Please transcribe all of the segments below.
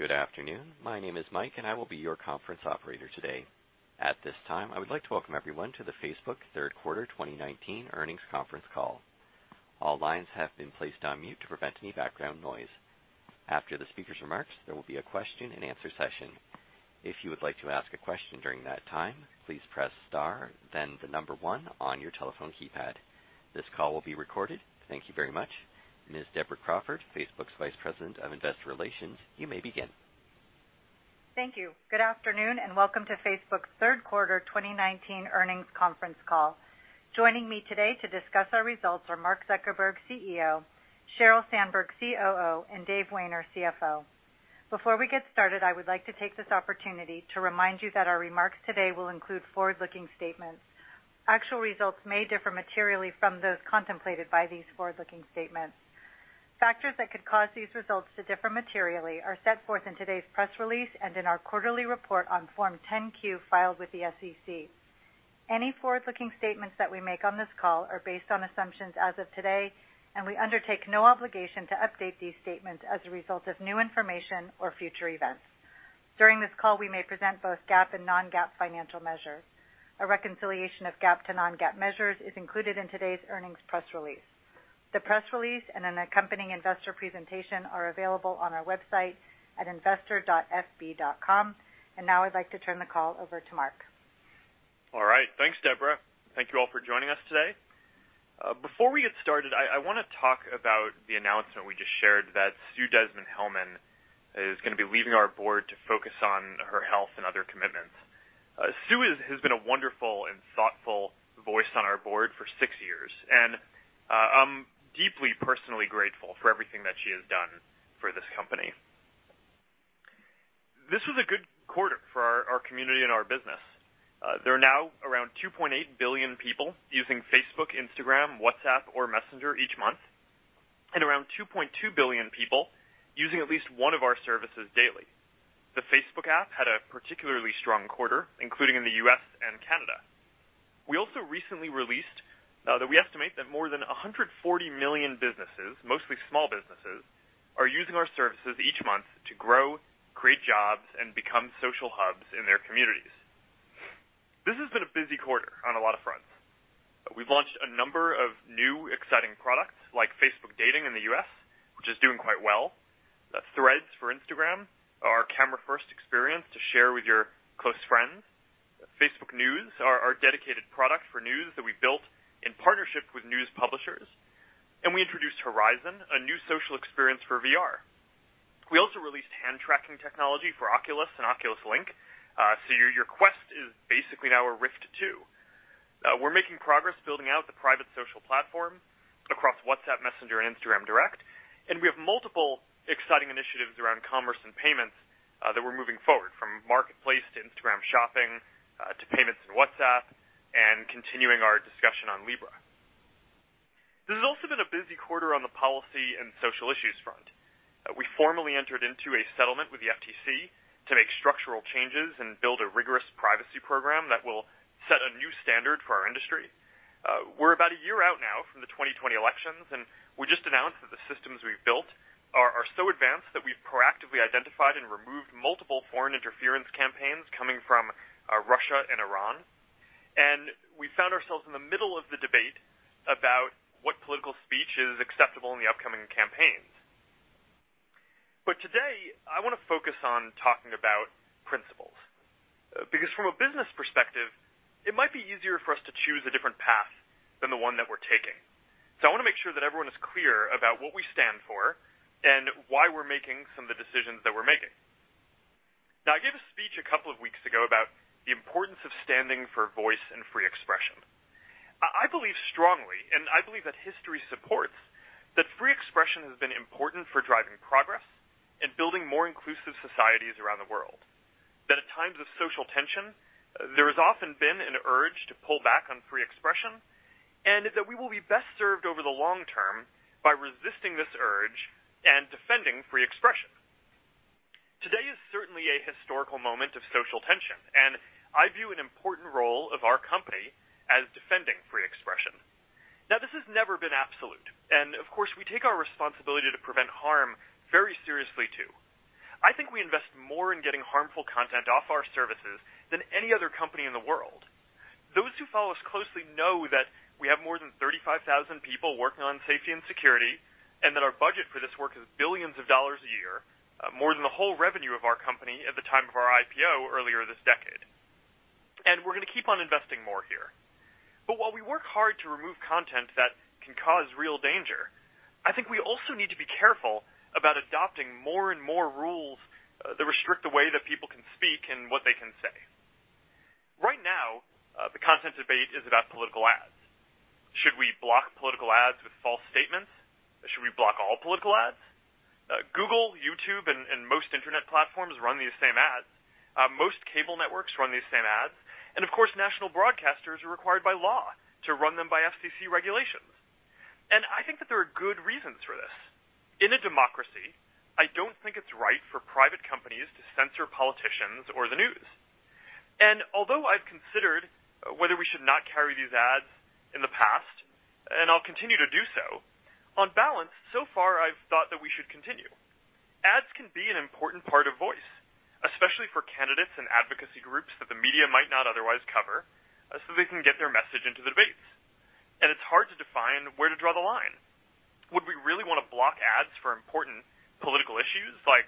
Good afternoon. My name is Mike, and I will be your conference operator today. At this time, I would like to welcome everyone to the Facebook Third Quarter 2019 Earnings Conference Call. All lines have been placed on mute to prevent any background noise. After the speaker's remarks, there will be a question-and-answer session. If you would like to ask a question during that time, please press star then the number then the number one on your telephone keypad. This call will be recorded. Thank you very much. Ms. Deborah Crawford, Facebook's Vice President of Investor Relations, you may begin. Thank you. Good afternoon, and welcome to Facebook's Third Quarter 2019 Earnings Conference Call. Joining me today to discuss our results are Mark Zuckerberg, CEO, Sheryl Sandberg, COO, and Dave Wehner, CFO. Before we get started, I would like to take this opportunity to remind you that our remarks today will include forward-looking statements. Actual results may differ materially from those contemplated by these forward-looking statements. Factors that could cause these results to differ materially are set forth in today's press release and in our quarterly report on Form 10-Q filed with the SEC. Any forward-looking statements that we make on this call are based on assumptions as of today, and we undertake no obligation to update these statements as a result of new information or future events. During this call, we may present both GAAP and non-GAAP financial measures. A reconciliation of GAAP to non-GAAP measures is included in today's earnings press release. The press release and an accompanying investor presentation are available on our website at investor.fb.com. Now I'd like to turn the call over to Mark. All right. Thanks, Deborah. Thank you all for joining us today. Before we get started, I wanna talk about the announcement we just shared that Sue Desmond-Hellmann is gonna be leaving our board to focus on her health and other commitments. Sue has been a wonderful and thoughtful voice on our board for six years, and I'm deeply personally grateful for everything that she has done for this company. This was a good quarter for our community and our business. There are now around 2.8 billion people using Facebook, Instagram, WhatsApp or Messenger each month and around 2.2 billion people using at least one of our services daily. The Facebook app had a particularly strong quarter, including in the U.S. and Canada. We also recently released that we estimate that more than 140 million businesses, mostly small businesses, are using our services each month to grow, create jobs, and become social hubs in their communities. This has been a busy quarter on a lot of fronts. We've launched a number of new exciting products like Facebook Dating in the U.S., which is doing quite well. Threads for Instagram, our camera-first experience to share with your close friends. Facebook News, our dedicated product for news that we built in partnership with news publishers. We introduced Horizon, a new social experience for VR. We also released hand tracking technology for Oculus and Oculus Link. Your Quest is basically now a Rift 2. We're making progress building out the private social platform across WhatsApp, Messenger, and Instagram Direct. We have multiple exciting initiatives around commerce and payments that we're moving forward, from Marketplace to Instagram Shopping, to payments in WhatsApp, and continuing our discussion on Libra. This has also been a busy quarter on the policy and social issues front. We formally entered into a settlement with the FTC to make structural changes and build a rigorous privacy program that will set a new standard for our industry. We're about a year out now from the 2020 elections, we just announced that the systems we've built are so advanced that we've proactively identified and removed multiple foreign interference campaigns coming from Russia and Iran. We found ourselves in the middle of the debate about what political speech is acceptable in the upcoming campaigns. Today, I wanna focus on talking about principles. Because from a business perspective, it might be easier for us to choose a different path than the one that we're taking. I wanna make sure that everyone is clear about what we stand for and why we're making some of the decisions that we're making. I gave a speech a couple of weeks ago about the importance of standing for voice and free expression. I believe strongly, and I believe that history supports, that free expression has been important for driving progress and building more inclusive societies around the world. At times of social tension, there has often been an urge to pull back on free expression, and that we will be best served over the long term by resisting this urge and defending free expression. Today is certainly a historical moment of social tension, and I view an important role of our company as defending free expression. Now, this has never been absolute, and of course, we take our responsibility to prevent harm very seriously too. I think we invest more in getting harmful content off our services than any other company in the world. Those who follow us closely know that we have more than 35,000 people working on safety and security, and that our budget for this work is billions of dollars a year, more than the whole revenue of our company at the time of our IPO earlier this decade. We're gonna keep on investing more here. While we work hard to remove content that can cause real danger, I think we also need to be careful about adopting more and more rules that restrict the way that people can speak and what they can say. Right now, the content debate is about political ads. Should we block political ads with false statements? Should we block all political ads? Google, YouTube, and most internet platforms run these same ads. Most cable networks run these same ads. Of course, national broadcasters are required by law to run them by FTC regulations. I think that there are good reasons for this. In a democracy, I don't think it's right for private companies to censor politicians or the news. Although I've considered whether we should not carry these ads in the past, and I'll continue to do so, on balance, so far I've thought that we should continue. Ads can be an important part of voice, especially for candidates and advocacy groups that the media might not otherwise cover, so they can get their message into the debates. It's hard to define where to draw the line. Would we really want to block ads for important political issues like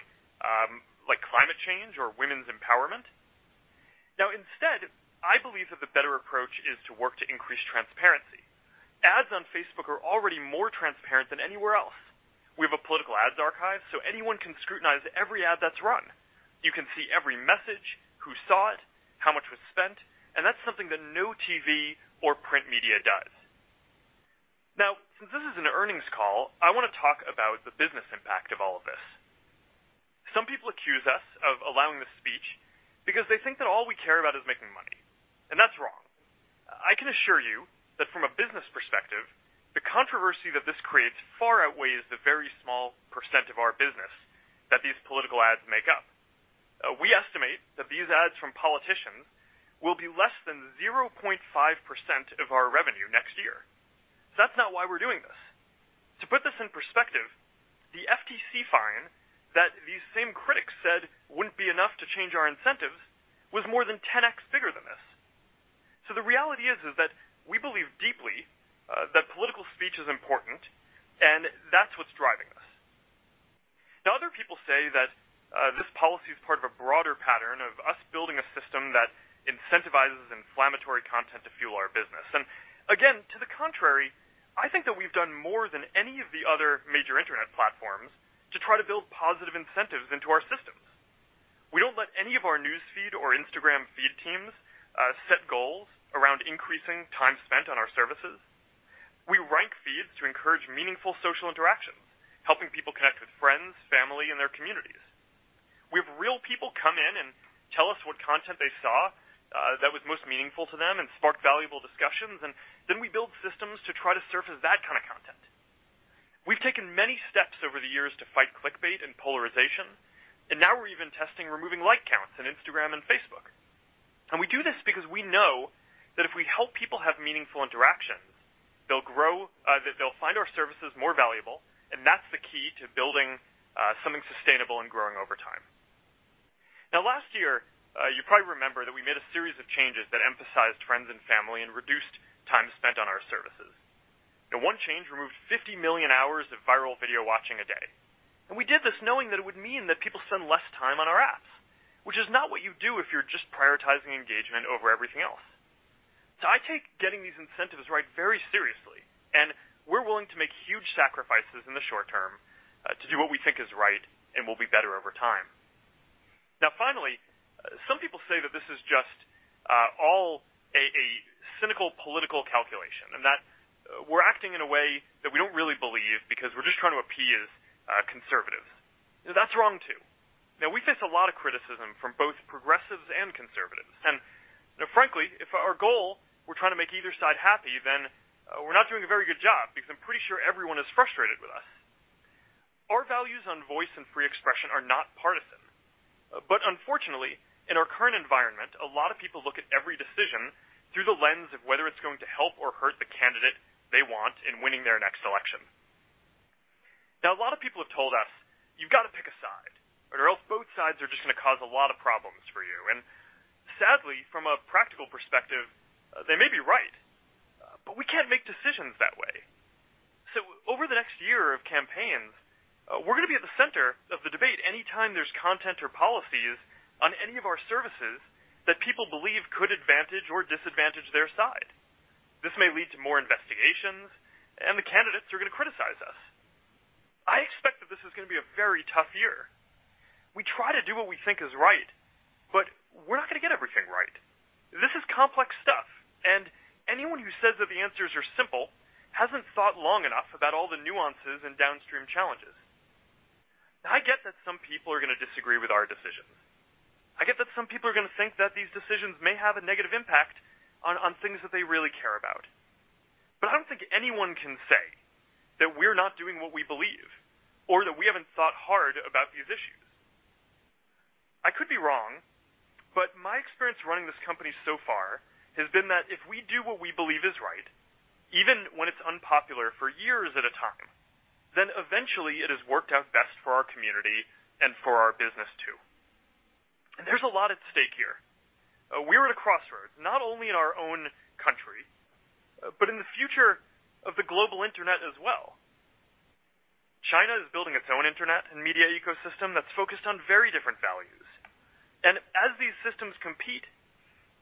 climate change or women's empowerment? Instead, I believe that the better approach is to work to increase transparency. Ads on Facebook are already more transparent than anywhere else. We have a political ads archive, so anyone can scrutinize every ad that's run. You can see every message, who saw it, how much was spent, and that's something that no TV or print media does. Since this is an earnings call, I wanna talk about the business impact of all of this. Some people accuse us of allowing this speech because they think that all we care about is making money, and that's wrong. I can assure you that from a business perspective, the controversy that this creates far outweighs the very small percent of our business that these political ads make up. We estimate that these ads from politicians will be less than 0.5% of our revenue next year. That's not why we're doing this. To put this in perspective, the FTC fine that these same critics said wouldn't be enough to change our incentives was more than 10x bigger than this. The reality is that we believe deeply that political speech is important, and that's what's driving us. Now, other people say that this policy is part of a broader pattern of us building a system that incentivizes inflammatory content to fuel our business. Again, to the contrary, I think that we've done more than any of the other major Internet platforms to try to build positive incentives into our systems. We don't let any of our News Feed or Instagram Feed teams set goals around increasing time spent on our services. We rank feeds to encourage meaningful social interactions, helping people connect with friends, family, and their communities. We have real people come in and tell us what content they saw that was most meaningful to them and spark valuable discussions. Then we build systems to try to surface that kind of content. We've taken many steps over the years to fight clickbait and polarization. Now we're even testing removing like counts in Instagram and Facebook. We do this because we know that if we help people have meaningful interactions, they'll find our services more valuable. That's the key to building something sustainable and growing over time. Last year, you probably remember that we made a series of changes that emphasized friends and family and reduced time spent on our services. One change removed 50 million hours of viral video watching a day. We did this knowing that it would mean that people spend less time on our apps, which is not what you do if you're just prioritizing engagement over everything else. I take getting these incentives right very seriously, and we're willing to make huge sacrifices in the short term to do what we think is right and will be better over time. Finally, some people say that this is just a cynical political calculation, and that we're acting in a way that we don't really believe because we're just trying to appeal as conservatives. That's wrong, too. We face a lot of criticism from both progressives and conservatives. Frankly, if our goal, we're trying to make either side happy, then we're not doing a very good job because I'm pretty sure everyone is frustrated with us. Our values on voice and free expression are not partisan. Unfortunately, in our current environment, a lot of people look at every decision through the lens of whether it's going to help or hurt the candidate they want in winning their next election. A lot of people have told us, "You've got to pick a side, or else both sides are just going to cause a lot of problems for you." Sadly, from a practical perspective, they may be right, but we can't make decisions that way. Over the next year of campaigns, we're gonna be at the center of the debate anytime there's content or policies on any of our services that people believe could advantage or disadvantage their side. This may lead to more investigations, and the candidates are gonna criticize us. I expect that this is gonna be a very tough year. We try to do what we think is right, but we're not gonna get everything right. This is complex stuff, and anyone who says that the answers are simple hasn't thought long enough about all the nuances and downstream challenges. Now, I get that some people are gonna disagree with our decisions. I get that some people are gonna think that these decisions may have a negative impact on things that they really care about. I don't think anyone can say that we're not doing what we believe or that we haven't thought hard about these issues. I could be wrong, but my experience running this company so far has been that if we do what we believe is right, even when it's unpopular for years at a time, then eventually it has worked out best for our community and for our business too. There's a lot at stake here. We're at a crossroads, not only in our own country, but in the future of the global Internet as well. China is building its own Internet and media ecosystem that's focused on very different values. As these systems compete,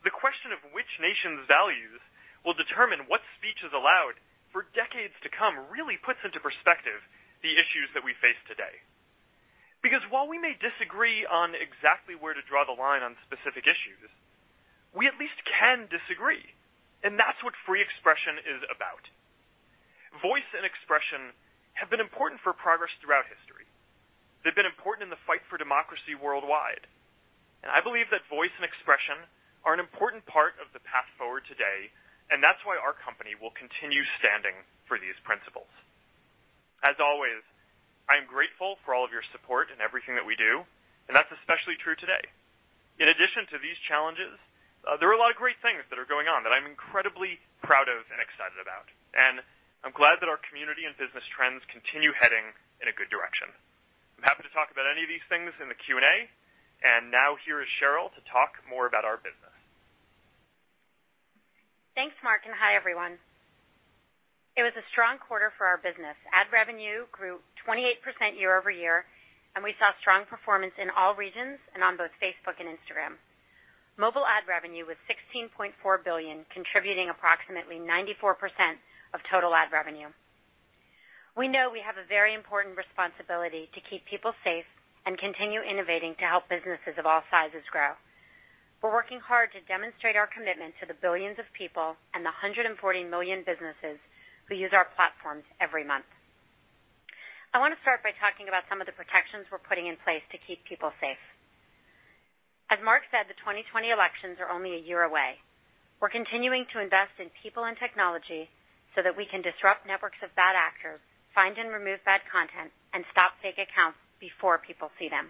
the question of which nation's values will determine what speech is allowed for decades to come really puts into perspective the issues that we face today. While we may disagree on exactly where to draw the line on specific issues, we at least can disagree, and that's what free expression is about. Voice and expression have been important for progress throughout history. They've been important in the fight for democracy worldwide. I believe that voice and expression are an important part of the path forward today, and that's why our company will continue standing for these principles. As always, I'm grateful for all of your support in everything that we do, and that's especially true today. In addition to these challenges, there are a lot of great things that are going on that I'm incredibly proud of and excited about. I'm glad that our community and business trends continue heading in a good direction. I'm happy to talk about any of these things in the Q&A. Now, here is Sheryl to talk more about our business. Thanks, Mark, and hi, everyone. It was a strong quarter for our business. Ad revenue grew 28% year-over-year, and we saw strong performance in all regions and on both Facebook and Instagram. Mobile ad revenue was $16.4 billion, contributing approximately 94% of total ad revenue. We know we have a very important responsibility to keep people safe and continue innovating to help businesses of all sizes grow. We're working hard to demonstrate our commitment to the billions of people and the 140 million businesses who use our platforms every month. I wanna start by talking about some of the protections we're putting in place to keep people safe. As Mark said, the 2020 elections are only a year away. We're continuing to invest in people and technology so that we can disrupt networks of bad actors, find and remove bad content, and stop fake accounts before people see them.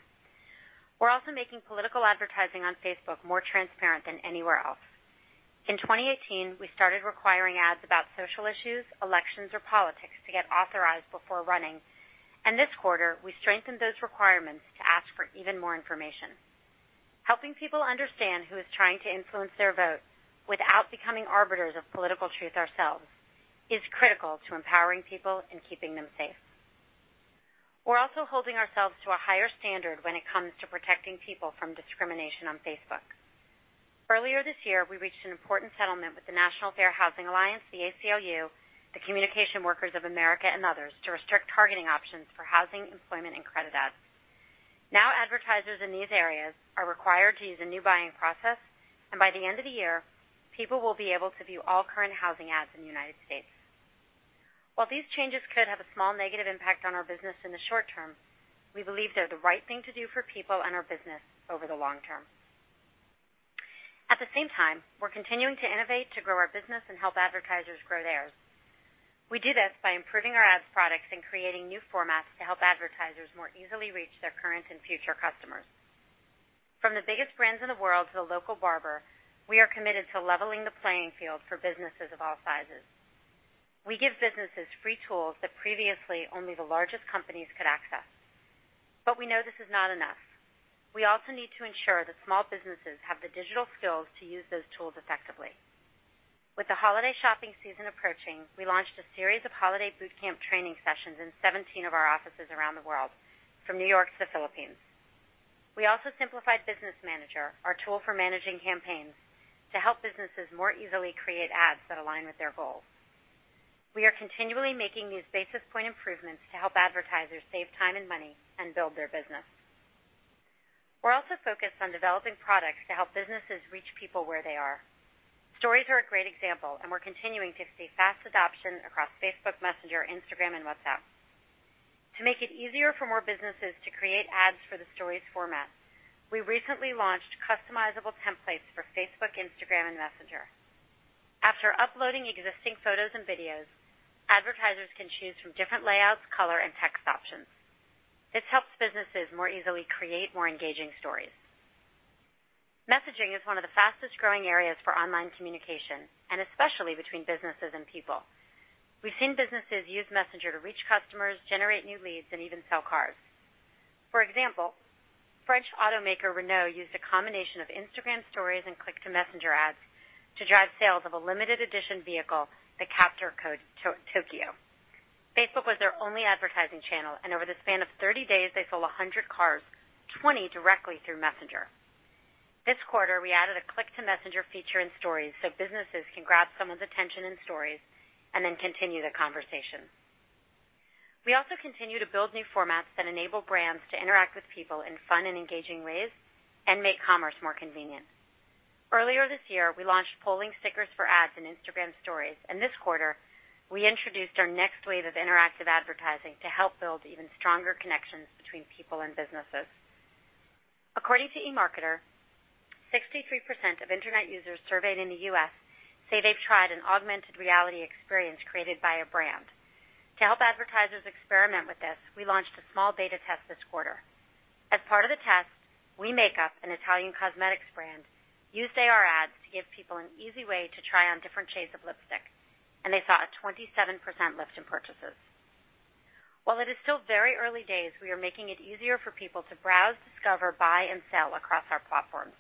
We're also making political advertising on Facebook more transparent than anywhere else. In 2018, we started requiring ads about social issues, elections, or politics to get authorized before running. This quarter, we strengthened those requirements to ask for even more information. Helping people understand who is trying to influence their vote without becoming arbiters of political truth ourselves is critical to empowering people and keeping them safe. We're also holding ourselves to a higher standard when it comes to protecting people from discrimination on Facebook. Earlier this year, we reached an important settlement with the National Fair Housing Alliance, the ACLU, the Communications Workers of America, and others, to restrict targeting options for housing, employment, and credit ads. Now, advertisers in these areas are required to use a new buying process, and by the end of the year, people will be able to view all current housing ads in the United States. While these changes could have a small negative impact on our business in the short term, we believe they're the right thing to do for people and our business over the long term. At the same time, we're continuing to innovate to grow our business and help advertisers grow theirs. We do this by improving our ads products and creating new formats to help advertisers more easily reach their current and future customers. From the biggest brands in the world to the local barber, we are committed to leveling the playing field for businesses of all sizes. We give businesses free tools that previously only the largest companies could access. We know this is not enough. We also need to ensure that small businesses have the digital skills to use those tools effectively. With the holiday shopping season approaching, we launched a series of holiday boot camp training sessions in 17 of our offices around the world, from New York to the Philippines. We also simplified Business Manager, our tool for managing campaigns, to help businesses more easily create ads that align with their goals. We are continually making these basis point improvements to help advertisers save time and money and build their business. We're also focused on developing products to help businesses reach people where they are. Stories are a great example, and we're continuing to see fast adoption across Facebook Messenger, Instagram, and WhatsApp. To make it easier for more businesses to create ads for the Stories format, we recently launched customizable templates for Facebook, Instagram, and Messenger. After uploading existing photos and videos, advertisers can choose from different layouts, color, and text options. This helps businesses more easily create more engaging stories. Messaging is one of the fastest-growing areas for online communication, and especially between businesses and people. We've seen businesses use Messenger to reach customers, generate new leads, and even sell cars. For example, French automaker Renault used a combination of Instagram Stories and click-to-Messenger ads to drive sales of a limited edition vehicle, the Captur Tokyo. Facebook was their only advertising channel. Over the span of 30 days, they sold 100 cars, 20 directly through Messenger. This quarter, we added a click-to-Messenger feature in Stories so businesses can grab someone's attention in Stories and then continue the conversation. We also continue to build new formats that enable brands to interact with people in fun and engaging ways and make commerce more convenient. Earlier this year, we launched polling stickers for ads in Instagram Stories, and this quarter, we introduced our next wave of interactive advertising to help build even stronger connections between people and businesses. According to eMarketer, 63% of Internet users surveyed in the U.S. say they've tried an augmented reality experience created by a brand. To help advertisers experiment with this, we launched a small beta test this quarter. As part of the test, We Make-up, an Italian cosmetics brand, used AR ads to give people an easy way to try on different shades of lipstick, and they saw a 27% lift in purchases. While it is still very early days, we are making it easier for people to browse, discover, buy, and sell across our platforms.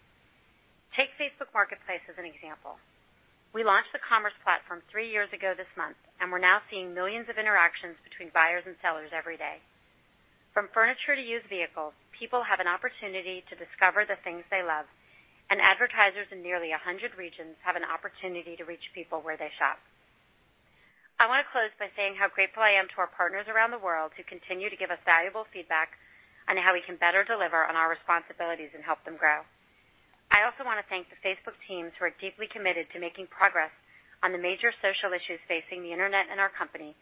Take Facebook Marketplace as an example. We launched the commerce platform three years ago this month, and we're now seeing millions of interactions between buyers and sellers every day. From furniture to used vehicles, people have an opportunity to discover the things they love, and advertisers in nearly 100 regions have an opportunity to reach people where they shop. I wanna close by saying how grateful I am to our partners around the world who continue to give us valuable feedback on how we can better deliver on our responsibilities and help them grow. I also wanna thank the Facebook teams who are deeply committed to making progress on the major social issues facing the Internet and our company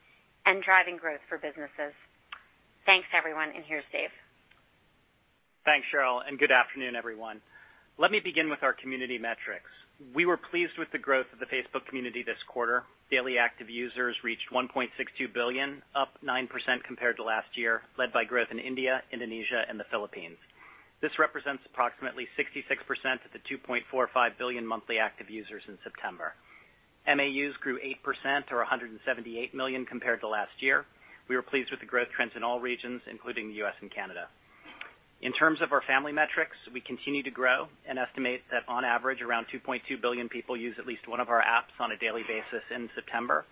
and driving growth for businesses. Thanks, everyone, and here's Dave. Thanks, Sheryl, good afternoon, everyone. Let me begin with our community metrics. We were pleased with the growth of the Facebook community this quarter. Daily active users reached 1.62 billion, up 9% compared to last year, led by growth in India, Indonesia, and the Philippines. This represents approximately 66% of the 2.45 billion monthly active users in September. MAUs grew 8%, or 178 million, compared to last year. We were pleased with the growth trends in all regions, including the U.S. and Canada. In terms of our family metrics, we continue to grow and estimate that on average, around 2.2 billion people use at least one of our apps on a daily basis in September,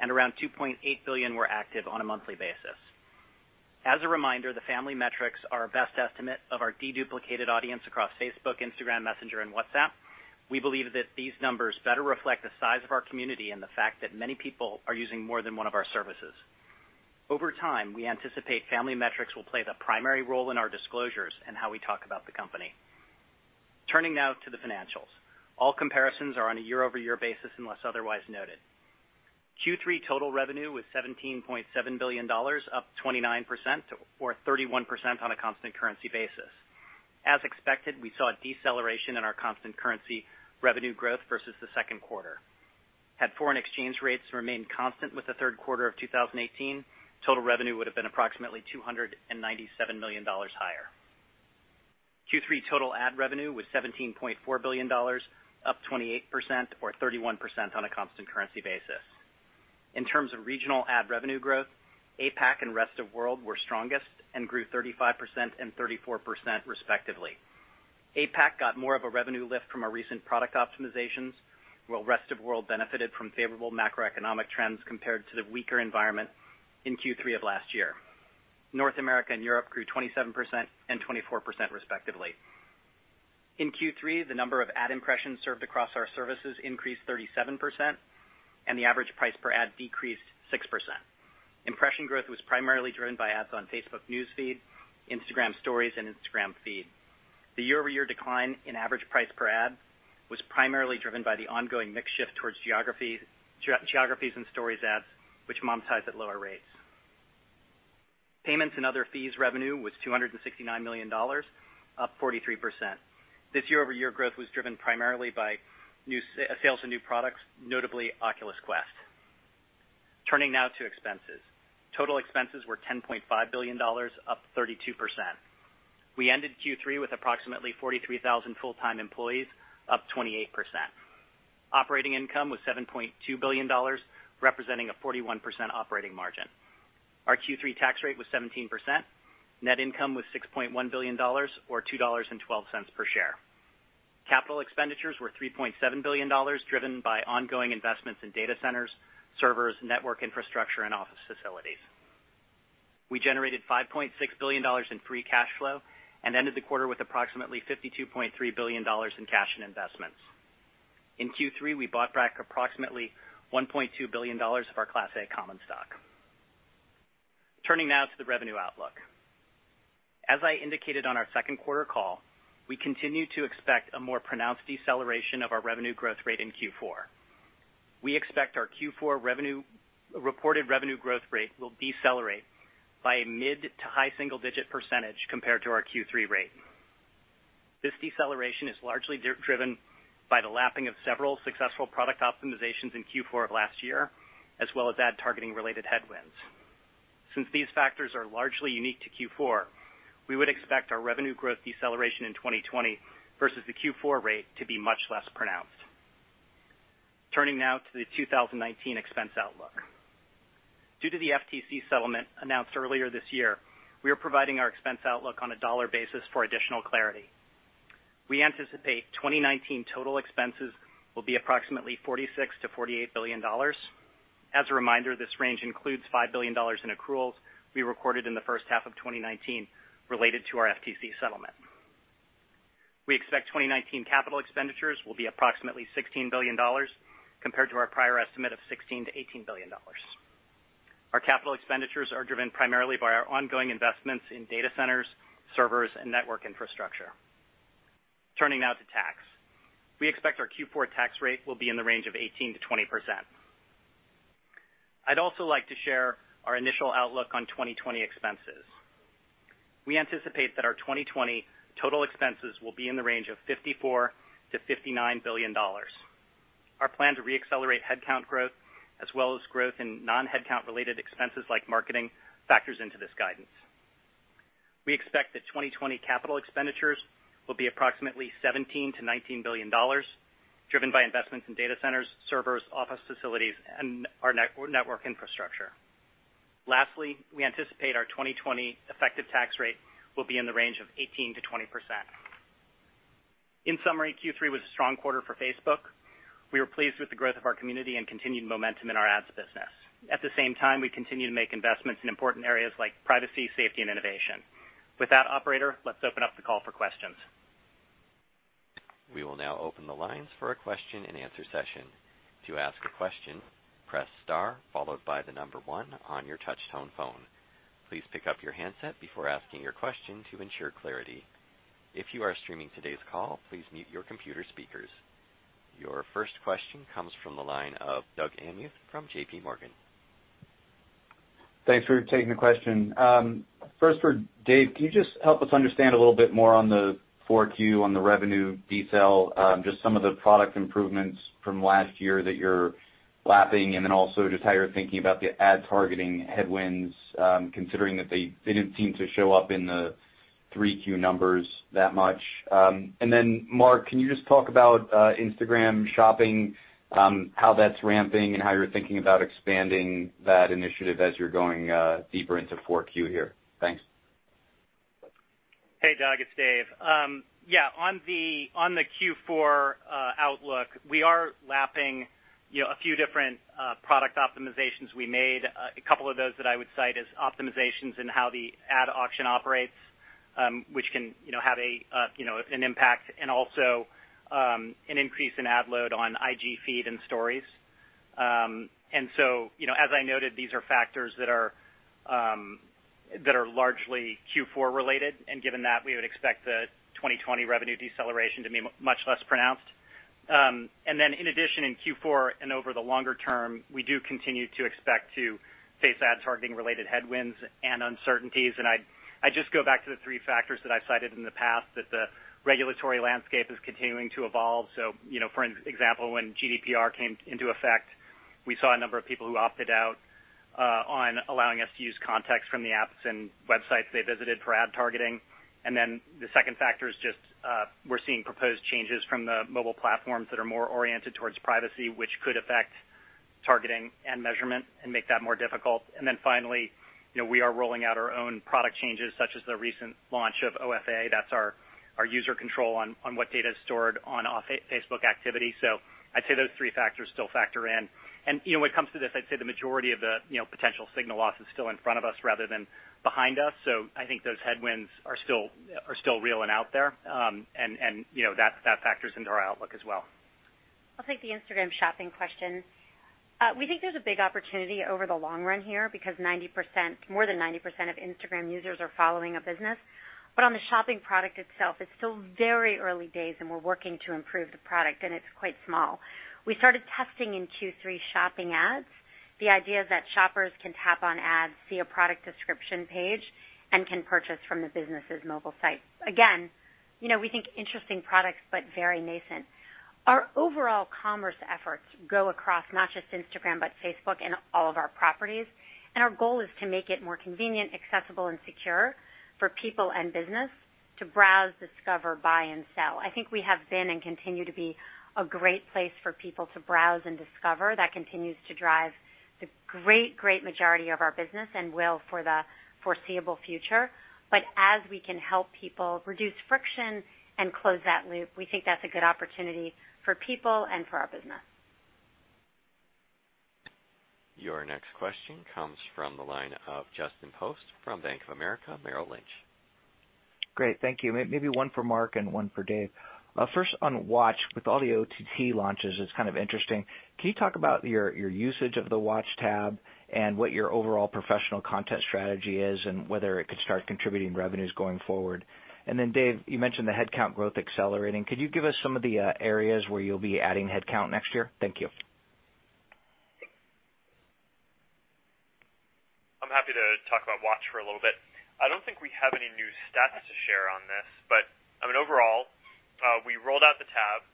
and around 2.8 billion were active on a monthly basis. As a reminder, the family metrics are our best estimate of our de-duplicated audience across Facebook, Instagram, Messenger, and WhatsApp. We believe that these numbers better reflect the size of our community and the fact that many people are using more than one of our services. Over time, we anticipate family metrics will play the primary role in our disclosures and how we talk about the company. Turning now to the financials. All comparisons are on a year-over-year basis, unless otherwise noted. Q3 total revenue was $17.7 billion, up 29% or 31% on a constant currency basis. As expected, we saw a deceleration in our constant currency revenue growth versus the second quarter. Had foreign exchange rates remained constant with the third quarter of 2018, total revenue would have been approximately $297 million higher. Q3 total ad revenue was $17.4 billion, up 28% or 31% on a constant currency basis. In terms of regional ad revenue growth, APAC and rest of world were strongest and grew 35% and 34% respectively. APAC got more of a revenue lift from our recent product optimizations, while rest of world benefited from favorable macroeconomic trends compared to the weaker environment in Q3 of last year. North America and Europe grew 27% and 24% respectively. In Q3, the number of ad impressions served across our services increased 37% and the average price per ad decreased 6%. Impression growth was primarily driven by ads on Facebook News Feed, Instagram Stories, and Instagram Feed. The year-over-year decline in average price per ad was primarily driven by the ongoing mix shift towards geographies and Stories ads, which monetize at lower rates. Payments and other fees revenue was $269 million, up 43%. This year-over-year growth was driven primarily by sales of new products, notably Oculus Quest. Turning now to expenses. Total expenses were $10.5 billion, up 32%. We ended Q3 with approximately 43,000 full-time employees, up 28%. Operating income was $7.2 billion, representing a 41% operating margin. Our Q3 tax rate was 17%. Net income was $6.1 billion or $2.12 per share. Capital expenditures were $3.7 billion, driven by ongoing investments in data centers, servers, network infrastructure, and office facilities. We generated $5.6 billion in free cash flow and ended the quarter with approximately $52.3 billion in cash and investments. In Q3, we bought back approximately $1.2 billion of our Class A common stock. Turning now to the revenue outlook. As I indicated on our second quarter call, we continue to expect a more pronounced deceleration of our revenue growth rate in Q4. We expect our Q4 revenue, reported revenue growth rate will decelerate by a mid to high single-digit percentage compared to our Q3 rate. This deceleration is largely driven by the lapping of several successful product optimizations in Q4 of last year, as well as ad targeting related headwinds. Since these factors are largely unique to Q4, we would expect our revenue growth deceleration in 2020 versus the Q4 rate to be much less pronounced. Turning now to the 2019 expense outlook. Due to the FTC settlement announced earlier this year, we are providing our expense outlook on a dollar basis for additional clarity. We anticipate 2019 total expenses will be approximately $46 billion-$48 billion. As a reminder, this range includes $5 billion in accruals we recorded in the first half of 2019 related to our FTC settlement. We expect 2019 capital expenditures will be approximately $16 billion compared to our prior estimate of $16 billion-$18 billion. Our capital expenditures are driven primarily by our ongoing investments in data centers, servers, and network infrastructure. Turning now to tax. We expect our Q4 tax rate will be in the range of 18%-20%. I'd also like to share our initial outlook on 2020 expenses. We anticipate that our 2020 total expenses will be in the range of $54 billion-$59 billion. Our plan to re-accelerate headcount growth, as well as growth in non-headcount related expenses like marketing factors into this guidance. We expect that 2020 capital expenditures will be approximately $17 billion-$19 billion, driven by investments in data centers, servers, office facilities, and our network infrastructure. Lastly, we anticipate our 2020 effective tax rate will be in the range of 18%-20%. In summary, Q3 was a strong quarter for Facebook. We were pleased with the growth of our community and continued momentum in our ads business. At the same time, we continue to make investments in important areas like privacy, safety, and innovation. With that, operator, let's open up the call for questions. We will now open the lines for a question-and-answer session. To ask a question, press star followed by the number one on your touch tone phone. Please pick up your handset before asking your question to ensure clarity. If you are streaming today's call, please mute your computer speakers. Your first question comes from the line of Doug Anmuth from JPMorgan. Thanks for taking the question. First for Dave, can you just help us understand a little bit more on the 4Q on the revenue detail, just some of the product improvements from last year that you're lapping, and then also just how you're thinking about the ad targeting headwinds, considering that they didn't seem to show up in the 3Q numbers that much. Then Mark, can you just talk about Instagram Shopping, how that's ramping and how you're thinking about expanding that initiative as you're going deeper into 4Q here? Thanks. Hey, Doug, it's Dave. Yeah, on the Q4 outlook, we are lapping, you know, a few different product optimizations we made. A couple of those that I would cite as optimizations in how the ad auction operates, which can, you know, have an impact and also an increase in ad load on IG Feed and Stories. You know, as I noted, these are factors that are largely Q4 related, and given that we would expect the 2020 revenue deceleration to be much less pronounced. In addition, in Q4 and over the longer term, we do continue to expect to face ad targeting related headwinds and uncertainties. I'd just go back to the three factors that I cited in the past that the regulatory landscape is continuing to evolve. You know, for an example, when GDPR came into effect, we saw a number of people who opted out on allowing us to use context from the apps and websites they visited for ad targeting. The second factor is just, we're seeing proposed changes from the mobile platforms that are more oriented towards privacy, which could affect targeting and measurement and make that more difficult. Finally, you know, we are rolling out our own product changes such as the recent launch of OFA. That's our user control on what data is stored on Off-Facebook Activity. I'd say those three factors still factor in. You know, when it comes to this, I'd say the majority of the, you know, potential signal loss is still in front of us rather than behind us. I think those headwinds are still real and out there. You know, that factors into our outlook as well. I'll take the Instagram shopping question. We think there's a big opportunity over the long run here because 90%, more than 90% of Instagram users are following a business. On the shopping product itself, it's still very early days, and we're working to improve the product, and it's quite small. We started testing in Q3 shopping ads. The idea is that shoppers can tap on ads, see a product description page, and can purchase from the business' mobile site. Again, you know, we think interesting products, but very nascent. Our overall commerce efforts go across not just Instagram, but Facebook and all of our properties. Our goal is to make it more convenient, accessible, and secure for people and business to browse, discover, buy and sell. I think we have been and continue to be a great place for people to browse and discover. That continues to drive the great majority of our business and will for the foreseeable future. As we can help people reduce friction and close that loop, we think that's a good opportunity for people and for our business. Your next question comes from the line of Justin Post from Bank of America Merrill Lynch. Great. Thank you. Maybe one for Mark and one for Dave. First on Watch, with all the OTT launches, it's kind of interesting. Can you talk about your usage of the Watch tab and what your overall professional content strategy is and whether it could start contributing revenues going forward? Then Dave, you mentioned the headcount growth accelerating. Could you give us some of the areas where you'll be adding headcount next year? Thank you. I'm happy to talk about Watch for a little bit. I don't think we have any new stats to share on this. I mean, overall, we rolled out the tab.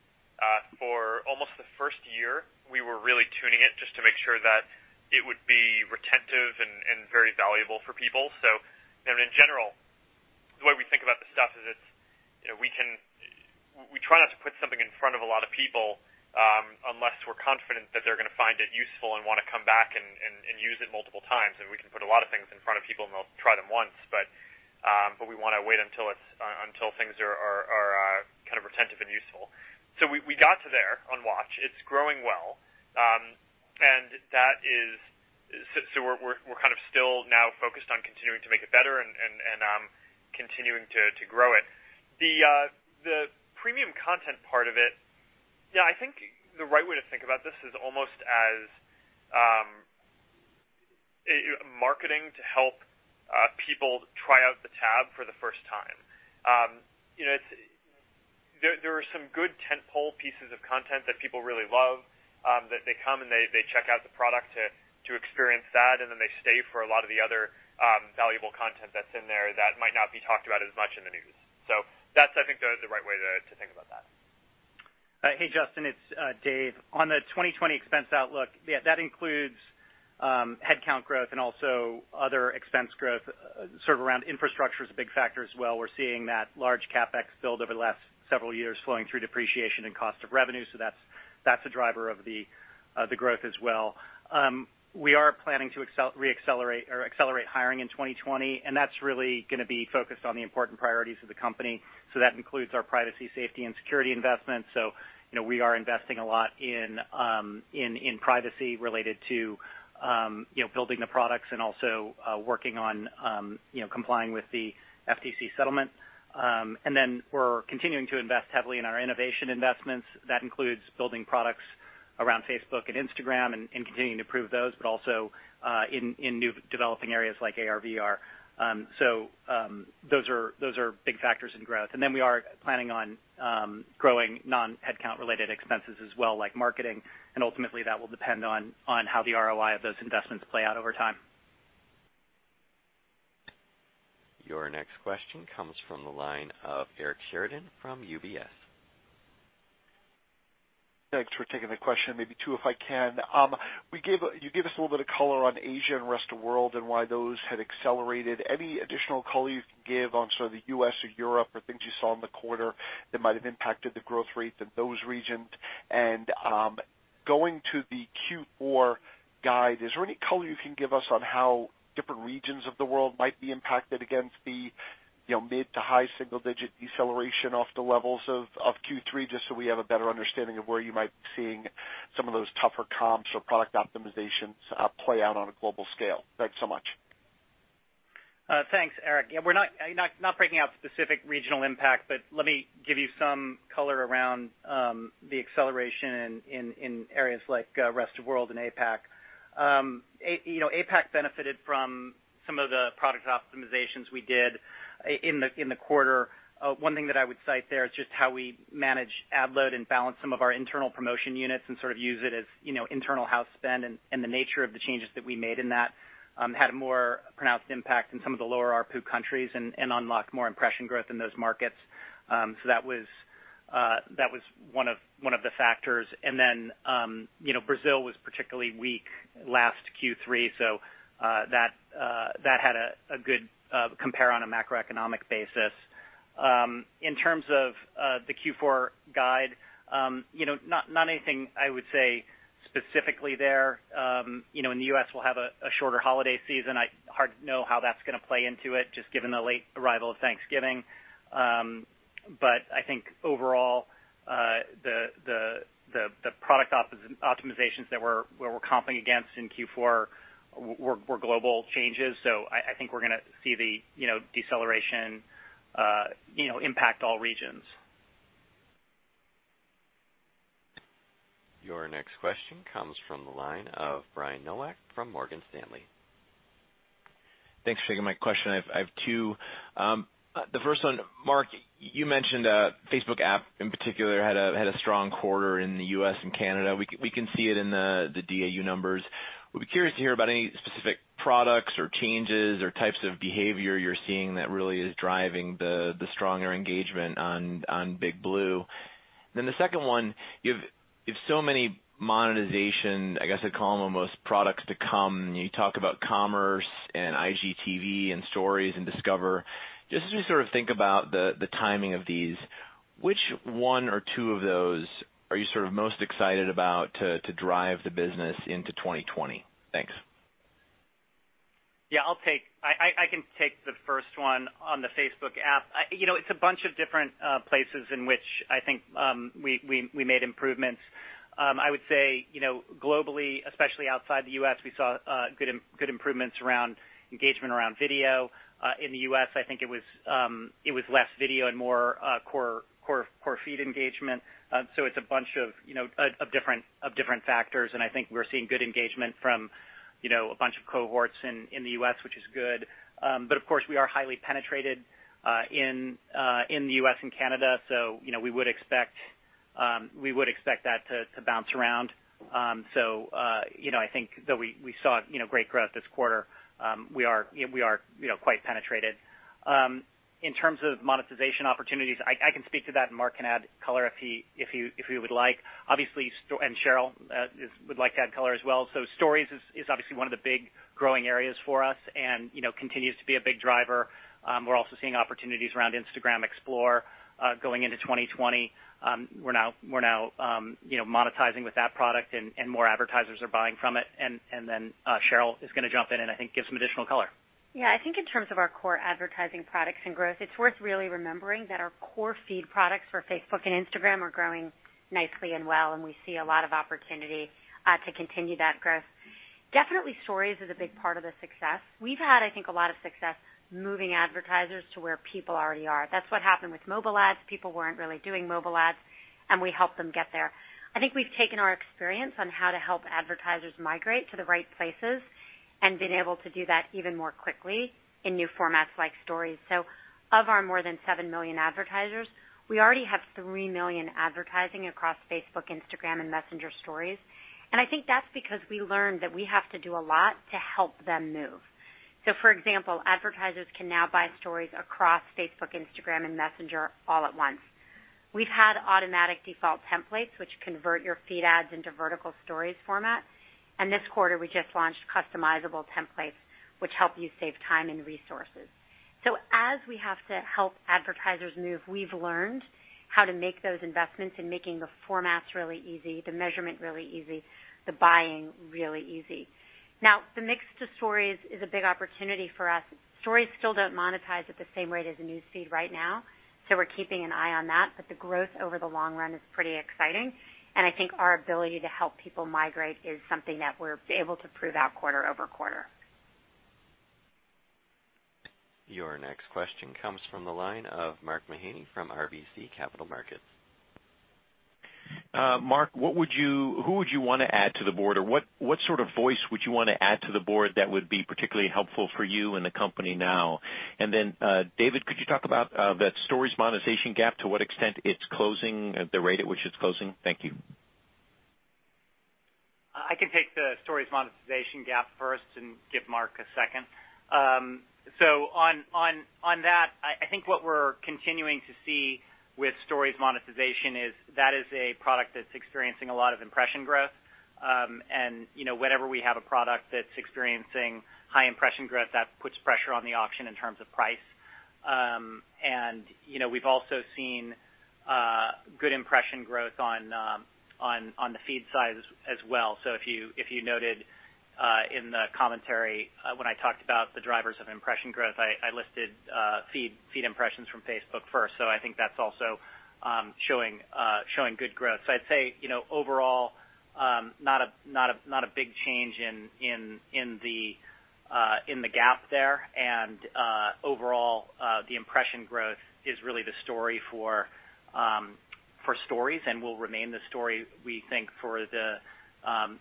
For almost the first year, we were really tuning it just to make sure that it would be retentive and very valuable for people. I mean, in general, the way we think about the stuff is it's, you know, we try not to put something in front of a lot of people unless we're confident that they're gonna find it useful and wanna come back and use it multiple times. We can put a lot of things in front of people, and they'll try them once. We wanna wait until it's until things are kind of retentive and useful. We got to there on Watch. It's growing well. We're kind of still now focused on continuing to make it better and continuing to grow it. The premium content part of it, I think the right way to think about this is almost as marketing to help people try out the tab for the first time. You know, there are some good tentpole pieces of content that people really love that they come, and they check out the product to experience that, and then they stay for a lot of the other valuable content that's in there that might not be talked about as much in the news. That's, I think, the right way to think about that. Hey, Justin, it's Dave. On the 2020 expense outlook, yeah, that includes headcount growth and also other expense growth, sort of around infrastructure is a big factor as well. We're seeing that large CapEx build over the last several years flowing through depreciation and cost of revenue. That's a driver of the growth as well. We are planning to reaccelerate or accelerate hiring in 2020, and that's really gonna be focused on the important priorities of the company. That includes our privacy, safety, and security investments. You know, we are investing a lot in privacy related to, you know, building the products and also working on, you know, complying with the FTC settlement. We're continuing to invest heavily in our innovation investments. That includes building products around Facebook and Instagram and continuing to improve those, but also in new developing areas like AR/VR. Those are big factors in growth. We are planning on growing non-headcount related expenses as well, like marketing. Ultimately, that will depend on how the ROI of those investments play out over time. Your next question comes from the line of Eric Sheridan from UBS. Thanks for taking the question, maybe two if I can. You gave us a little bit of color on Asia and rest of world and why those had accelerated. Any additional color you can give on sort of the U.S. or Europe or things you saw in the quarter that might have impacted the growth rates in those regions? Going to the Q4 guide, is there any color you can give us on how different regions of the world might be impacted against the, you know, mid to high single-digit deceleration off the levels of Q3, just so we have a better understanding of where you might be seeing some of those tougher comps or product optimizations play out on a global scale? Thanks so much. Thanks, Eric. Yeah, we're not breaking out specific regional impact, but let me give you some color around the acceleration in areas like rest of world and APAC. You know, APAC benefited from some of the product optimizations we did in the quarter. One thing that I would cite there is just how we manage ad load and balance some of our internal promotion units and sort of use it as, you know, internal house spend and the nature of the changes that we made in that had a more pronounced impact in some of the lower ARPU countries and unlocked more impression growth in those markets. That was one of the factors. You know, Brazil was particularly weak last Q3, so that had a good compare on a macroeconomic basis. In terms of the Q4 guide, you know, not anything I would say specifically there. You know, in the U.S. we'll have a shorter holiday season. I hard to know how that's gonna play into it, just given the late arrival of Thanksgiving. I think overall, the product optimizations that we're comping against in Q4 were global changes. I think we're gonna see, you know, deceleration, you know, impact all regions. Your next question comes from the line of Brian Nowak from Morgan Stanley. Thanks for taking my question. I have two. The first one, Mark, you mentioned Facebook app in particular had a strong quarter in the U.S. and Canada. We can see it in the DAU numbers. Would be curious to hear about any specific products or changes or types of behavior you're seeing that really is driving the stronger engagement on Big Blue. The second one, you have so many monetization, I guess I'd call them almost products to come. You talk about commerce and IGTV and Stories and Discover. Just as we sort of think about the timing of these, which one or two of those are you sort of most excited about to drive the business into 2020? Thanks. I can take the first one on the Facebook app. You know, it's a bunch of different places in which I think we made improvements. I would say, you know, globally, especially outside the U.S., we saw good improvements around engagement around video. In the U.S., I think it was less video and more core feed engagement. It's a bunch of, you know, of different factors, and I think we're seeing good engagement from, you know, a bunch of cohorts in the U.S., which is good. Of course, we are highly penetrated in the U.S. and Canada, you know, we would expect we would expect that to bounce around. You know, I think though we saw, you know, great growth this quarter, we are, you know, quite penetrated. In terms of monetization opportunities, I can speak to that and Mark can add color if he would like. Obviously Sheryl would like to add color as well. Stories is obviously one of the big growing areas for us and, you know, continues to be a big driver. We're also seeing opportunities around Instagram Explore going into 2020. We're now, you know, monetizing with that product and more advertisers are buying from it. Then Sheryl is gonna jump in and I think give some additional color. Yeah, I think in terms of our core advertising products and growth, it's worth really remembering that our core feed products for Facebook and Instagram are growing nicely and well, and we see a lot of opportunity to continue that growth. Definitely Stories is a big part of the success. We've had, I think, a lot of success moving advertisers to where people already are. That's what happened with mobile ads. People weren't really doing mobile ads, and we helped them get there. I think we've taken our experience on how to help advertisers migrate to the right places and been able to do that even more quickly in new formats like Stories. Of our more than 7 million advertisers, we already have 3 million advertising across Facebook, Instagram, and Messenger Stories. I think that's because we learned that we have to do a lot to help them move. For example, advertisers can now buy Stories across Facebook, Instagram, and Messenger all at once. We've had automatic default templates, which convert your feed ads into vertical Stories format. This quarter, we just launched customizable templates, which help you save time and resources. As we have to help advertisers move, we've learned how to make those investments in making the formats really easy, the measurement really easy, the buying really easy. The mix to Stories is a big opportunity for us. Stories still don't monetize at the same rate as the News Feed right now, so we're keeping an eye on that, but the growth over the long run is pretty exciting, and I think our ability to help people migrate is something that we're able to prove out quarter-over-quarter. Your next question comes from the line of Mark Mahaney from RBC Capital Markets. Mark, who would you wanna add to the board? What, what sort of voice would you wanna add to the board that would be particularly helpful for you and the company now? David, could you talk about that Stories monetization gap, to what extent it's closing, the rate at which it's closing? Thank you. I can take the Stories monetization gap first and give Mark a second. On that, I think what we're continuing to see with Stories monetization is that is a product that's experiencing a lot of impression growth. You know, whenever we have a product that's experiencing high impression growth, that puts pressure on the auction in terms of price. You know, we've also seen good impression growth on the Feed side as well. If you noted in the commentary, when I talked about the drivers of impression growth, I listed Feed impressions from Facebook first. I think that's also showing good growth. I'd say, you know, overall, not a big change in the gap there. Overall, the impression growth is really the story for Stories and will remain the story, we think, for the,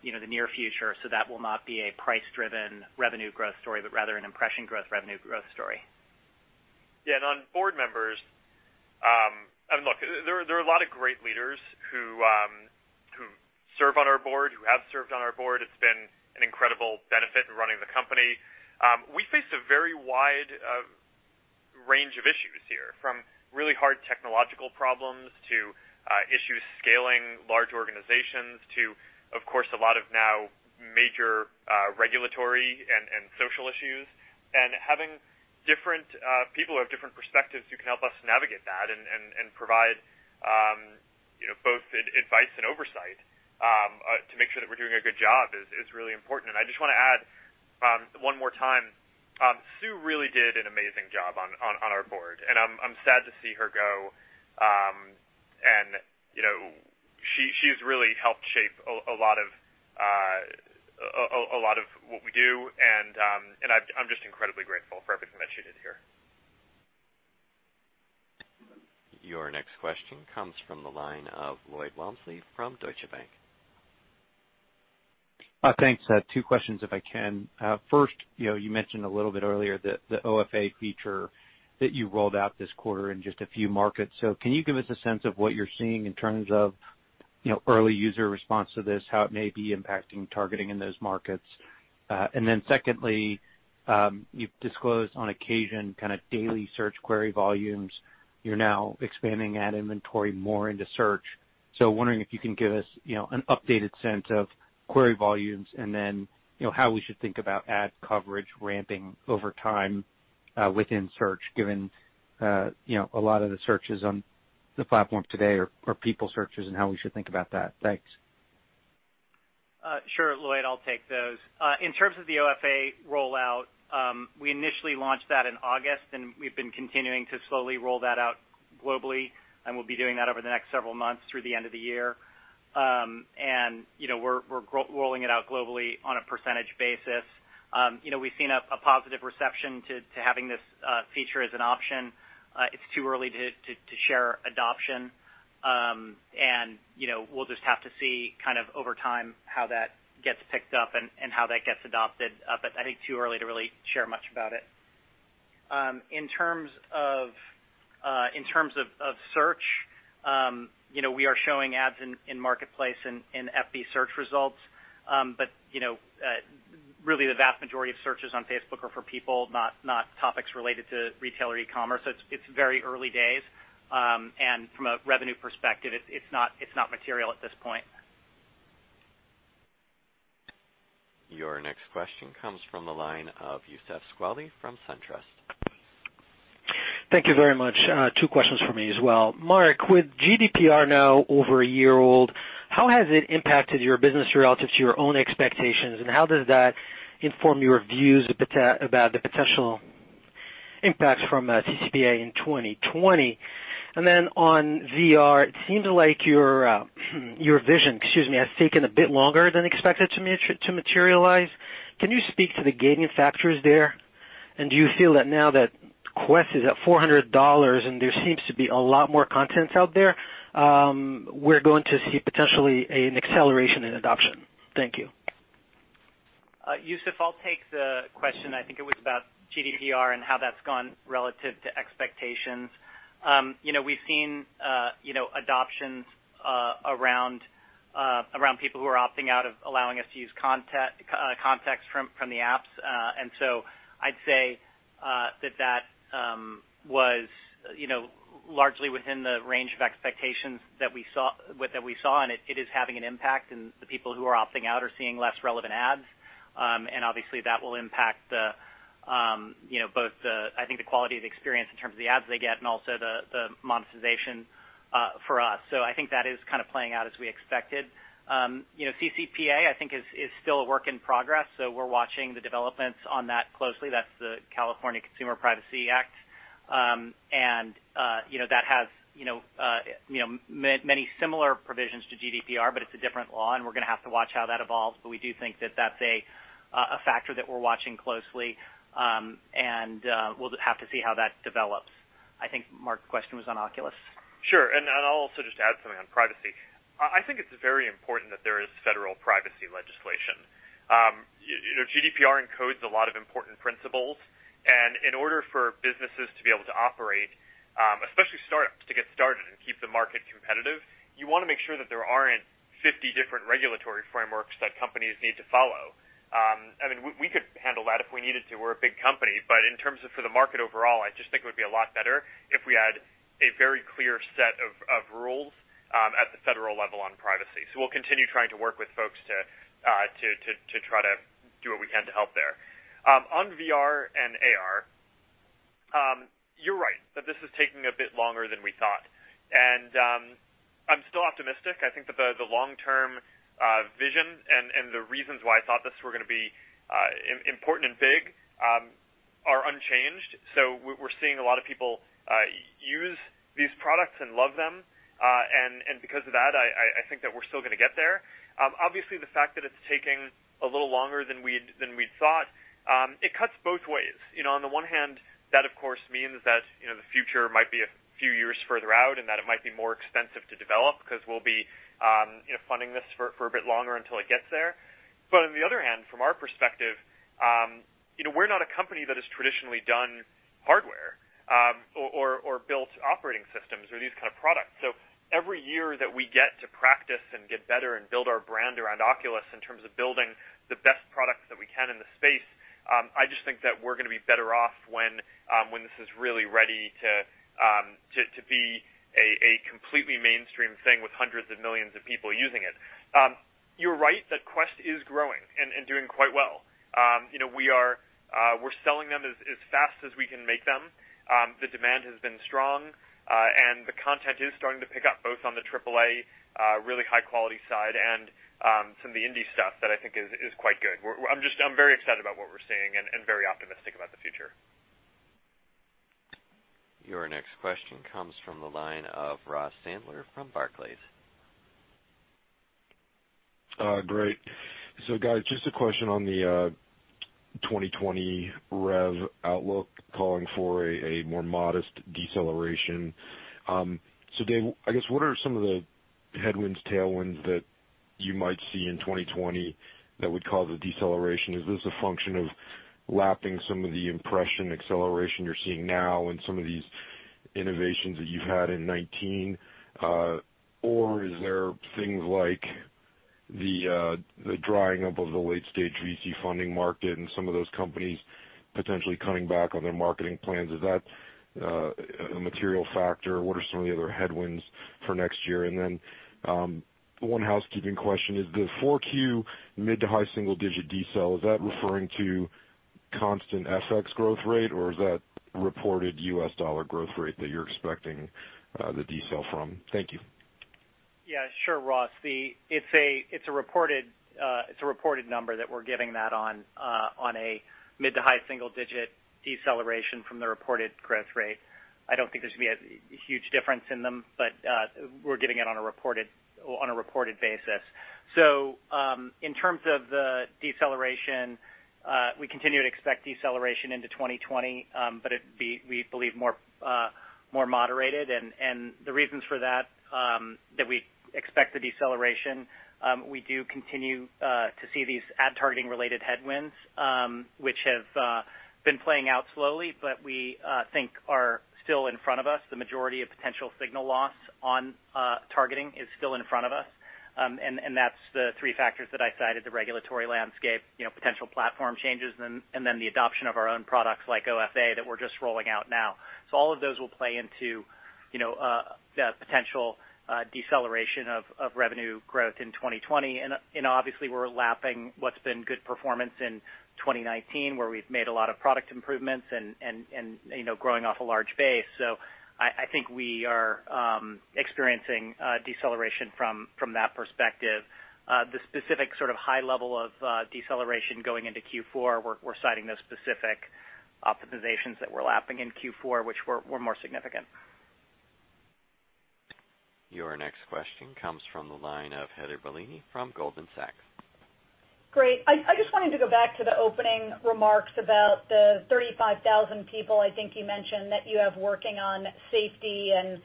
you know, the near future. That will not be a price-driven revenue growth story, but rather an impression growth revenue growth story. Yeah. On board members, I mean, look, there are a lot of great leaders who serve on our board, who have served on our board. It's been an incredible benefit in running the company. We face a very wide range of issues here, from really hard technological problems to issues scaling large organizations to, of course, a lot of now major regulatory and social issues. Having different people who have different perspectives who can help us navigate that and provide, you know, both advice and oversight to make sure that we're doing a good job is really important. I just wanna add one more time, Sue really did an amazing job on our board, and I'm sad to see her go. You know, she's really helped shape a lot of what we do, and I'm just incredibly grateful for everything that she did here. Your next question comes from the line of Lloyd Walmsley from Deutsche Bank. Thanks. Two questions, if I can. First, you know, you mentioned a little bit earlier the OFA feature that you rolled out this quarter in just a few markets. Can you give us a sense of what you're seeing in terms of, you know, early user response to this, how it may be impacting targeting in those markets? And then secondly, you've disclosed on occasion kinda daily search query volumes. You're now expanding ad inventory more into search. Wondering if you can give us, you know, an updated sense of query volumes and then, you know, how we should think about ad coverage ramping over time within search given, you know, a lot of the searches on the platform today are people searches and how we should think about that. Thanks. Sure, Lloyd. I'll take those. In terms of the OFA rollout, we initially launched that in August, and we've been continuing to slowly roll that out globally, and we'll be doing that over the next several months through the end of the year. You know, we're rolling it out globally on a percentage basis. You know, we've seen a positive reception to having this feature as an option. It's too early to share adoption. You know, we'll just have to see kind of over time how that gets picked up and how that gets adopted. I think too early to really share much about it. In terms of search, you know, we are showing ads in Marketplace and FB search results. You know, really the vast majority of searches on Facebook are for people, not topics related to retail or e-commerce. It's very early days. From a revenue perspective, it's not material at this point. Your next question comes from the line of Youssef Squali from SunTrust. Thank you very much. Two questions from me as well. Mark, with GDPR now over a year old, how has it impacted your business relative to your own expectations, and how does that inform your views about the potential impacts from CCPA in 2020? On VR, it seems like your vision, excuse me, has taken a bit longer than expected to materialize. Can you speak to the gating factors there? Do you feel that now that Quest is at $400 and there seems to be a lot more content out there, we're going to see potentially an acceleration in adoption? Thank you. Youssef, I'll take the question. I think it was about GDPR and how that's gone relative to expectations. You know, we've seen, you know, adoptions around people who are opting out of allowing us to use context from the apps. I'd say that that was, you know, largely within the range of expectations that we saw, and it is having an impact, and the people who are opting out are seeing less relevant ads. Obviously, that will impact the, you know, both the, I think the quality of the experience in terms of the ads they get and also the monetization for us. I think that is kind of playing out as we expected. you know, CCPA, I think is still a work in progress, so we're watching the developments on that closely. That's the California Consumer Privacy Act. And, you know, that has, you know, many similar provisions to GDPR, but it's a different law, and we're gonna have to watch how that evolves. We do think that that's a factor that we're watching closely. And, we'll have to see how that develops. I think, Mark, the question was on Oculus? Sure. I'll also just add something on privacy. I think it's very important that there is federal privacy legislation. You know, GDPR encodes a lot of important principles. In order for businesses to be able to operate, especially startups to get started and keep the market competitive, you wanna make sure that there aren't 50 different regulatory frameworks that companies need to follow. I mean, we could handle that if we needed to. We're a big company. In terms of for the market overall, I just think it would be a lot better if we had a very clear set of rules at the federal level on privacy. We'll continue trying to work with folks to try to do what we can to help there. On VR and AR, you're right that this is taking a bit longer than we thought. I'm still optimistic. I think that the long-term vision and the reasons why I thought this were gonna be important and big are unchanged. We're seeing a lot of people use these products and love them. Because of that, I think that we're still gonna get there. Obviously the fact that it's taking a little longer than we'd thought, it cuts both ways. You know, on the one hand, that of course means that, you know, the future might be a few years further out and that it might be more expensive to develop because we'll be, you know, funding this for a bit longer until it gets there. On the other hand, from our perspective, you know, we're not a company that has traditionally done hardware, or built operating systems or these kind of products. Every year that we get to practice and get better and build our brand around Oculus in terms of building the best products that we can in the space, I just think that we're gonna be better off when this is really ready to be a completely mainstream thing with hundreds of millions of people using it. You're right that Quest is growing and doing quite well. You know, we are, we're selling them as fast as we can make them. The demand has been strong. The content is starting to pick up both on the AAA, really high quality side and some of the indie stuff that I think is quite good. I'm very excited about what we're seeing and very optimistic about the future. Your next question comes from the line of Ross Sandler from Barclays. Great. Guys, just a question on the 2020 rev outlook calling for a more modest deceleration. Dave, I guess what are some of the headwinds, tailwinds that you might see in 2020 that would cause a deceleration? Is this a function of lapping some of the impression acceleration you're seeing now and some of these innovations that you've had in 2019? Or is there things like the drying up of the late-stage VC funding market and some of those companies potentially cutting back on their marketing plans? Is that a material factor? What are some of the other headwinds for next year? One housekeeping question. Is the 4Q mid to high single-digit decel, is that referring to constant FX growth rate, or is that reported U.S. dollar growth rate that you're expecting the decel from? Thank you. Yeah, sure, Ross. It's a reported number that we're giving that on a mid to high single-digit deceleration from the reported growth rate. I don't think there's gonna be a huge difference in them. We're giving it on a reported basis. In terms of the deceleration, we continue to expect deceleration into 2020, but we believe more moderated. The reasons for that we expect the deceleration, we do continue to see these ad targeting related headwinds, which have been playing out slowly, but we think are still in front of us. The majority of potential signal loss on targeting is still in front of us. That's the three factors that I cited, the regulatory landscape, you know, potential platform changes and then the adoption of our own products like OFA that we're just rolling out now. All of those will play into, you know, the potential deceleration of revenue growth in 2020. Obviously we're lapping what's been good performance in 2019, where we've made a lot of product improvements and, you know, growing off a large base. I think we are experiencing deceleration from that perspective. The specific sort of high level of deceleration going into Q4, we're citing those specific optimizations that we're lapping in Q4, which were more significant. Your next question comes from the line of Heather Bellini from Goldman Sachs. Great. I just wanted to go back to the opening remarks about the 35,000 people I think you mentioned that you have working on safety and,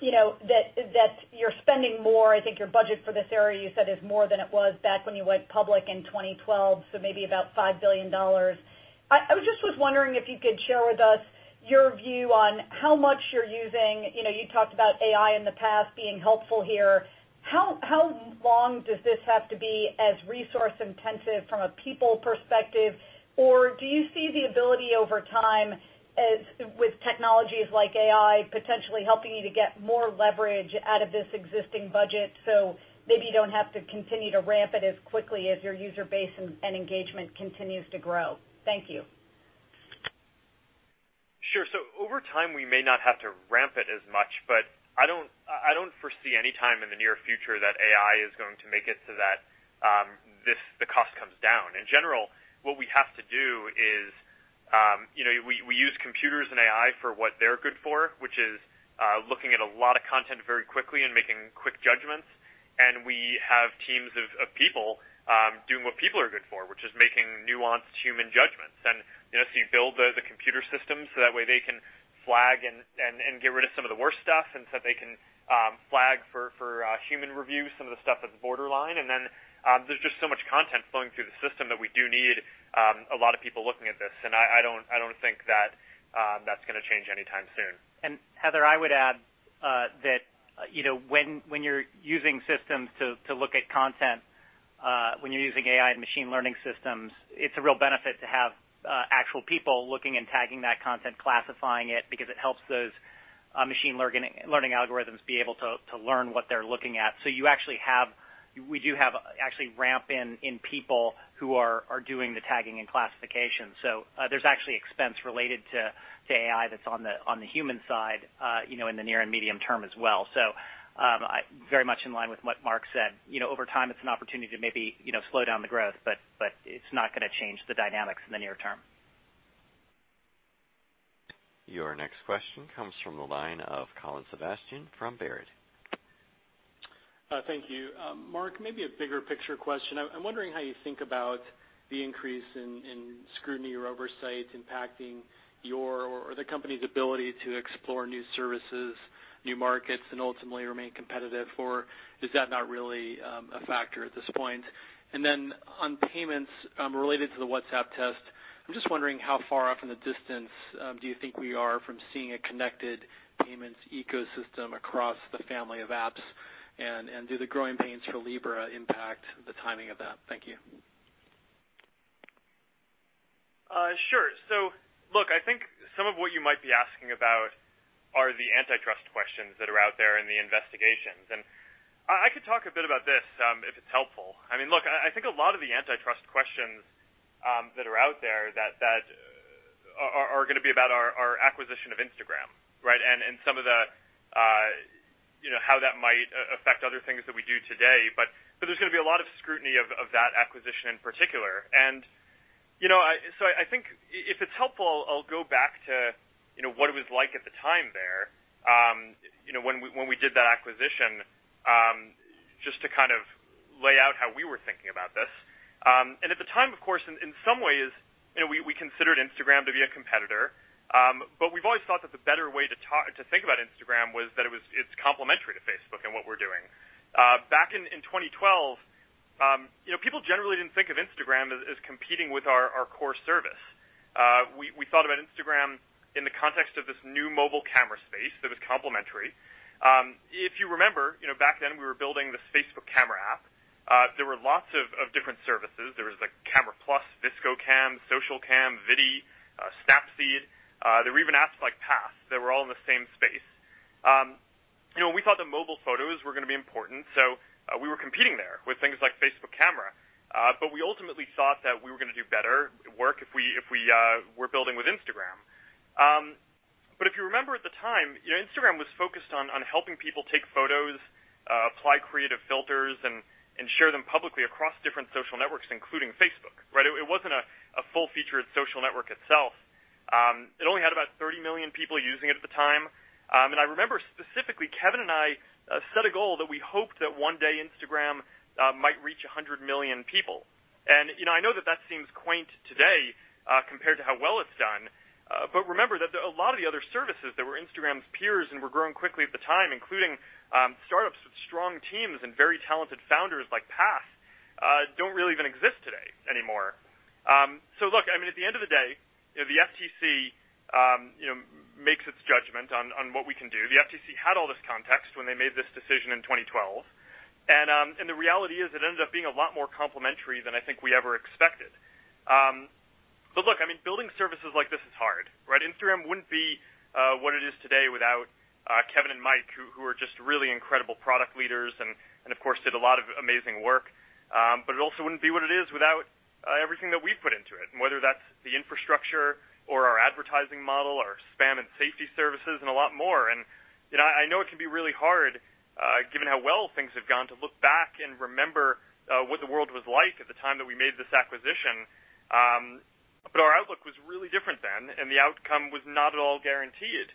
you know, that you're spending more. I think your budget for this area you said is more than it was back when you went public in 2012, so maybe about $5 billion. I just was wondering if you could share with us your view on how much you're using. You know, you talked about AI in the past being helpful here. How long does this have to be as resource intensive from a people perspective? Do you see the ability over time as with technologies like AI potentially helping you to get more leverage out of this existing budget, so maybe you don't have to continue to ramp it as quickly as your user base and engagement continues to grow? Thank you. Sure. Over time, we may not have to ramp it as much, but I don't foresee any time in the near future that AI is going to make it so that the cost comes down. In general, what we have to do is, you know, we use computers and AI for what they're good for, which is looking at a lot of content very quickly and making quick judgments. We have teams of people doing what people are good for, which is making nuanced human judgments. You know, you build the computer systems so that way they can flag and get rid of some of the worst stuff, and so they can flag for human review some of the stuff that's borderline. There's just so much content flowing through the system that we do need a lot of people looking at this. I don't think that that's gonna change anytime soon. Heather, I would add that, you know, when you're using systems to look at content, when you're using AI and machine learning systems, it's a real benefit to have actual people looking and tagging that content, classifying it because it helps those machine learning algorithms be able to learn what they're looking at. We do have actually ramp in people who are doing the tagging and classification. There's actually expense related to AI that's on the human side, you know, in the near and medium term as well. I very much in line with what Mark said. You know, over time, it's an opportunity to maybe, you know, slow down the growth, but it's not gonna change the dynamics in the near term. Your next question comes from the line of Colin Sebastian from Baird. Thank you. Mark, maybe a bigger picture question. I'm wondering how you think about the increase in scrutiny or oversight impacting your or the company's ability to explore new services, new markets, and ultimately remain competitive. Or is that not really a factor at this point? Then on payments, related to the WhatsApp test, I'm just wondering how far off in the distance do you think we are from seeing a connected payments ecosystem across the family of apps? Do the growing pains for Libra impact the timing of that? Thank you. Sure. Look, I think some of what you might be asking about are the antitrust questions that are out there and the investigations. I could talk a bit about this if it's helpful. I mean, look, I think a lot of the antitrust questions that are out there that are going to be about our acquisition of Instagram, right? Some of the, you know, how that might affect other things that we do today. There's going to be a lot of scrutiny of that acquisition in particular. I think if it's helpful, I'll go back to, you know, what it was like at the time there, you know, when we did that acquisition, just to kind of lay out how we were thinking about this. At the time, of course, in some ways, you know, we considered Instagram to be a competitor. We've always thought that the better way to think about Instagram was that it's complementary to Facebook and what we're doing. Back in 2012, you know, people generally didn't think of Instagram as competing with our core service. We thought about Instagram in the context of this new mobile camera space that was complementary. If you remember, you know, back then we were building this Facebook Camera app. There were lots of different services. There was, like, Camera+, VSCO, Socialcam, Viddy, Snapseed. There were even apps like Path that were all in the same space. You know, we thought that mobile photos were gonna be important, we were competing there with things like Facebook Camera. We ultimately thought that we were gonna do better work if we were building with Instagram. If you remember at the time, you know, Instagram was focused on helping people take photos, apply creative filters and share them publicly across different social networks, including Facebook, right? It wasn't a full-featured social network itself. It only had about 30 million people using it at the time. I remember specifically, Kevin and I set a goal that we hoped that one day Instagram might reach 100 million people. You know, I know that that seems quaint today compared to how well it's done. Remember that a lot of the other services that were Instagram's peers and were growing quickly at the time, including startups with strong teams and very talented founders like Path, don't really even exist today anymore. Look, I mean, at the end of the day, you know, the FTC, you know, makes its judgment on what we can do. The FTC had all this context when they made this decision in 2012. The reality is it ended up being a lot more complementary than I think we ever expected. Look, I mean, building services like this is hard, right? Instagram wouldn't be what it is today without Kevin and Mike, who are just really incredible product leaders and of course, did a lot of amazing work. It also wouldn't be what it is without everything that we've put into it, whether that's the infrastructure or our advertising model or spam and safety services and a lot more. You know, I know it can be really hard, given how well things have gone to look back and remember what the world was like at the time that we made this acquisition. Our outlook was really different then, and the outcome was not at all guaranteed.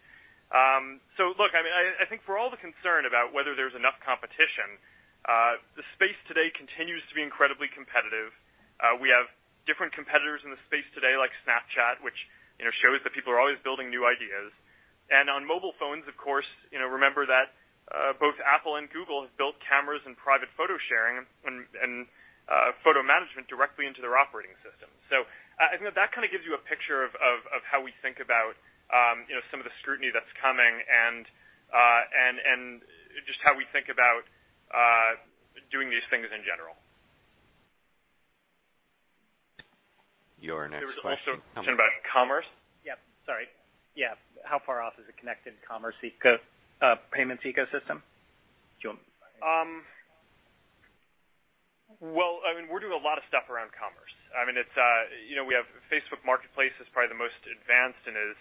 Look, I mean, I think for all the concern about whether there's enough competition, the space today continues to be incredibly competitive. We have different competitors in the space today, like Snapchat, which, you know, shows that people are always building new ideas. On mobile phones, of course, you know, remember that both Apple and Google have built cameras and private photo sharing and photo management directly into their operating system. I think that kind of gives you a picture of how we think about, you know, some of the scrutiny that's coming and just how we think about doing these things in general. Your next question. There was also a question about commerce. Yeah. Sorry. Yeah. How far off is a connected commerce payments ecosystem? Do you want me? Well, I mean, we're doing a lot of stuff around commerce. I mean, it's, you know, we have Facebook Marketplace is probably the most advanced and is,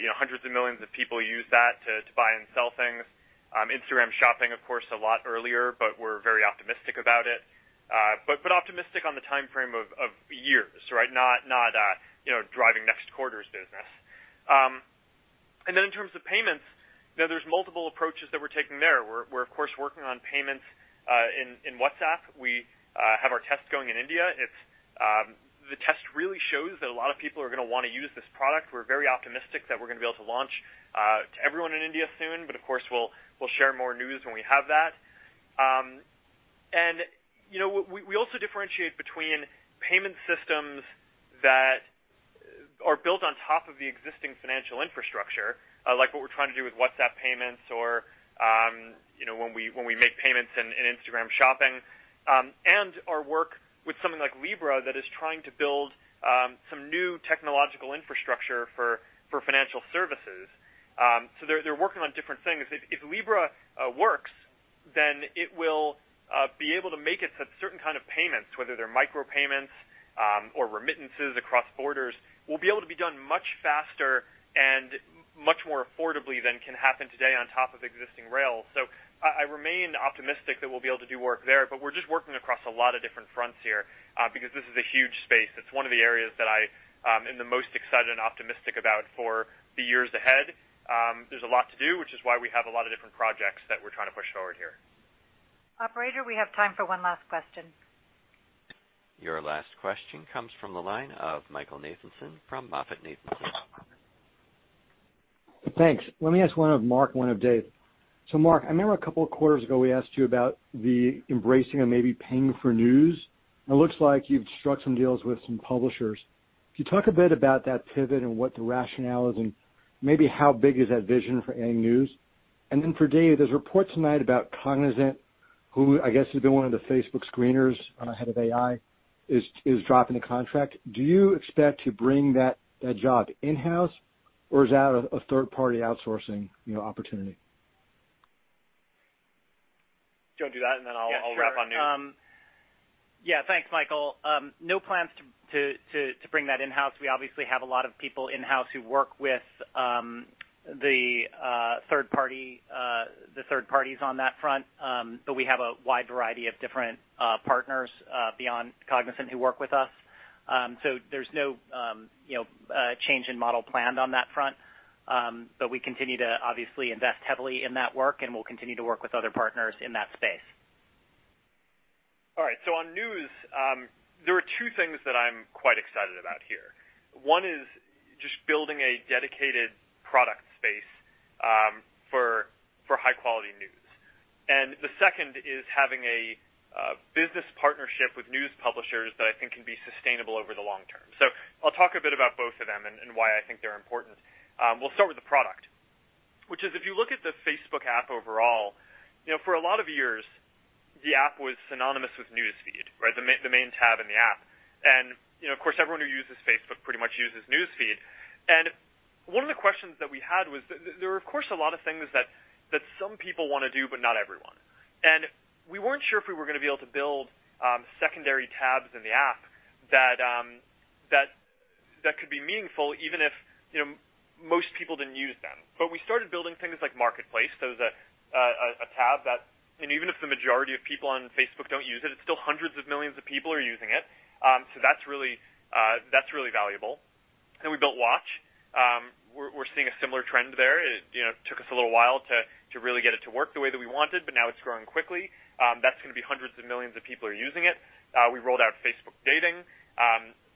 you know, hundreds of millions of people use that to buy and sell things. Instagram Shopping, of course, a lot earlier, but we're very optimistic about it. Optimistic on the timeframe of years, right? Not, you know, driving next quarter's business. In terms of payments, you know, there's multiple approaches that we're taking there. We're of course, working on payments in WhatsApp. We have our test going in India. It's, the test really shows that a lot of people are gonna wanna use this product. We're very optimistic that we're gonna be able to launch to everyone in India soon. Of course, we'll share more news when we have that. You know, we also differentiate between payment systems that are built on top of the existing financial infrastructure, like what we're trying to do with WhatsApp payments or, you know, when we make payments in Instagram Shopping, and our work with something like Libra that is trying to build some new technological infrastructure for financial services. They're working on different things. If Libra works, it will be able to make it so that certain kind of payments, whether they're micropayments or remittances across borders, will be able to be done much faster and much more affordably than can happen today on top of existing rail. I remain optimistic that we'll be able to do work there, but we're just working across a lot of different fronts here, because this is a huge space. It's one of the areas that I am the most excited and optimistic about for the years ahead. There's a lot to do, which is why we have a lot of different projects that we're trying to push forward here. Operator, we have time for one last question. Your last question comes from the line of Michael Nathanson from MoffettNathanson. Thanks. Let me ask one of Mark, one of Dave. Mark, I remember a couple of quarters ago, we asked you about the embracing or maybe paying for news. It looks like you've struck some deals with some publishers. Could you talk a bit about that pivot and what the rationale is and maybe how big is that vision for Facebook News? For Dave, there's reports tonight about Cognizant, who I guess has been one of the Facebook screeners, [on our head of AI] is dropping the contract. Do you expect to bring that job in-house, or is that a third-party outsourcing, you know, opportunity? Do you wanna do that, and then I'll wrap on News? Yeah, sure. Yeah, thanks, Michael. No plans to bring that in-house. We obviously have a lot of people in-house who work with the third party, the third parties on that front. We have a wide variety of different partners beyond Cognizant who work with us. There's no, you know, change in model planned on that front. We continue to obviously invest heavily in that work, and we'll continue to work with other partners in that space. All right. On News, there are two things that I'm quite excited about here. One is just building a dedicated product space for high-quality news. The second is having a business partnership with news publishers that I think can be sustainable over the long term. I'll talk a bit about both of them and why I think they're important. We'll start with the product, which is if you look at the Facebook app overall, you know, for a lot of years, the app was synonymous with News Feed, right? The main tab in the app. You know, of course, everyone who uses Facebook pretty much uses News Feed. One of the questions that we had was there are, of course, a lot of things that some people wanna do, but not everyone. We weren't sure if we were gonna be able to build secondary tabs in the app that could be meaningful even if, you know, most people didn't use them. We started building things like Marketplace. A tab that even if the majority of people on Facebook don't use it's still hundreds of millions of people are using it. That's really valuable. We built Watch. We're seeing a similar trend there. It, you know, took us a little while to really get it to work the way that we wanted, but now it's growing quickly. That's gonna be hundreds of millions of people are using it. We rolled out Facebook Dating.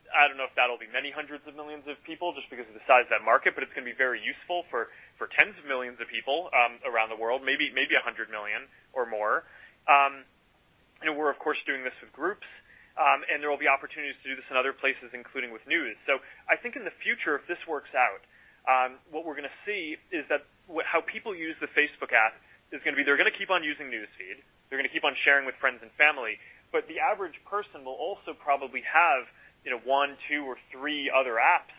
I don't know if that'll be many hundreds of millions of people just because of the size of that market, but it's gonna be very useful for tens of millions of people around the world, maybe 100 million or more. We're of course, doing this with groups. There will be opportunities to do this in other places, including with news. I think in the future, if this works out, what we're gonna see is that how people use the Facebook app is gonna be they're gonna keep on using News Feed, they're gonna keep on sharing with friends and family, but the average person will also probably have, you know, one, two, or three other apps,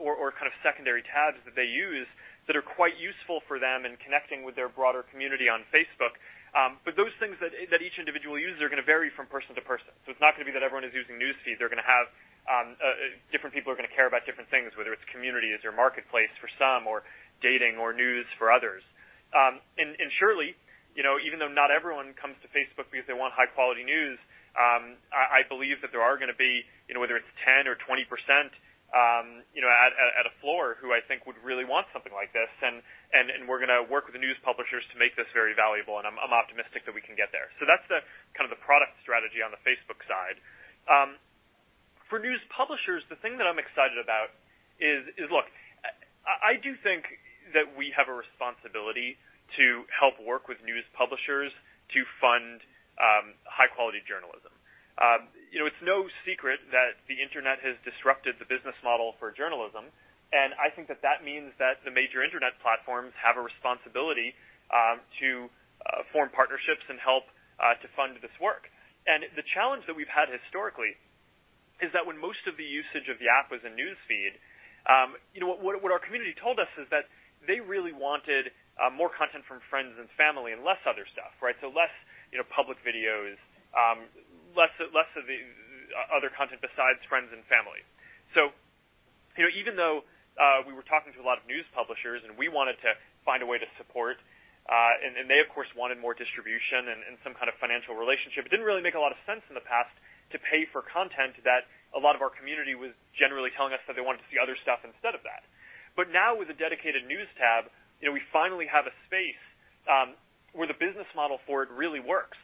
or kind of secondary tabs that they use that are quite useful for them in connecting with their broader community on Facebook. But those things that each individual uses are gonna vary from person to person. It's not gonna be that everyone is using News Feed. They're gonna have different people are gonna care about different things, whether it's Communities or Marketplace for some, or Dating or News for others. Surely, you know, even though not everyone comes to Facebook because they want high-quality news, I believe that there are gonna be, you know, whether it's 10% or 20%, you know, at a floor who I think would really want something like this. We're gonna work with the news publishers to make this very valuable, and I'm optimistic that we can get there. That's the kind of the product strategy on the Facebook side. For news publishers, the thing that I'm excited about is look, I do think that we have a responsibility to help work with news publishers to fund high-quality journalism. You know, it's no secret that the internet has disrupted the business model for journalism, I think that that means that the major internet platforms have a responsibility to form partnerships and help to fund this work. The challenge that we've had historically is that when most of the usage of the app was in News Feed, you know, what our community told us is that they really wanted more content from friends and family and less other stuff, right? Less, you know, public videos, less of the other content besides friends and family. You know, even though we were talking to a lot of news publishers and we wanted to find a way to support, and they of course wanted more distribution and some kind of financial relationship, it didn't really make a lot of sense in the past to pay for content that a lot of our community was generally telling us that they wanted to see other stuff instead of that. Now with a dedicated news tab, you know, we finally have a space where the business model for it really works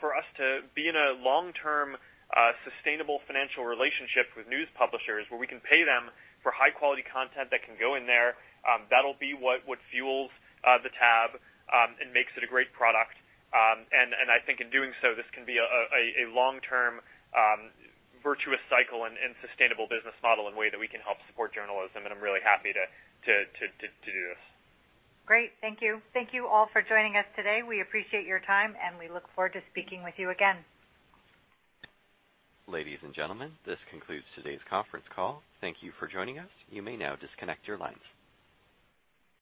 for us to be in a long-term sustainable financial relationship with news publishers where we can pay them for high-quality content that can go in there. That'll be what fuels the tab and makes it a great product. I think in doing so, this can be a long-term virtuous cycle and sustainable business model and way that we can help support journalism. I'm really happy to do this. Great. Thank you. Thank you all for joining us today. We appreciate your time, and we look forward to speaking with you again. Ladies and gentlemen, this concludes today's conference call. Thank you for joining us. You may now disconnect your lines.